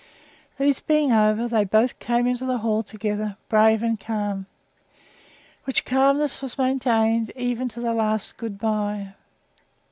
These being over, they both came into the hall together, brave and calm which calmness was maintained even to the last good bye.